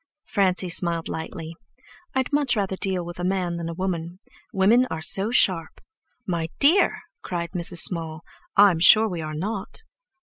Francie smiled lightly. "I'd much rather deal with a man than a woman. Women are so sharp!" "My dear," cried Mrs. Small, "I'm sure we're not."